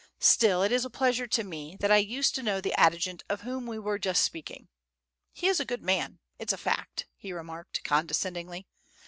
Still it is a pleasure to me, that I used to know the adjutant of whom we were just speaking: he is a good man it's a fact," he remarked condescendingly.